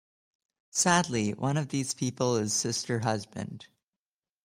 Sadly, one of these people is Sister Husband.